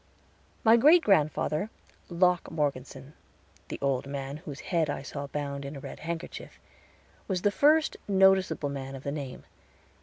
My great grandfather, Locke Morgeson, the old man whose head I saw bound in a red handkerchief, was the first noticeable man of the name.